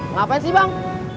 ngapain sih bang